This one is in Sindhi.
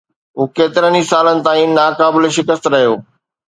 هو ڪيترن ئي سالن تائين ناقابل شڪست رهيو.